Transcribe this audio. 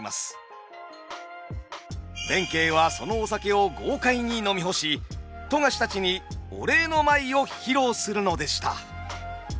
弁慶はそのお酒を豪快に飲み干し富樫たちにお礼の舞を披露するのでした。